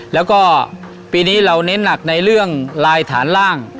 แล้วก็ปีนี้เราเน้นหนักในเรื่องลายฐานล่าง